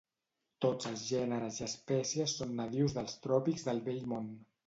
Tots els gèneres i espècies són nadius dels tròpics del Vell Món.